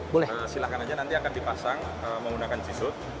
boleh silahkan aja nanti akan dipasang menggunakan g shoot